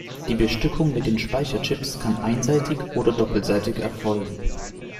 Die Bestückung mit den Speicherchips kann einseitig oder doppelseitig erfolgen.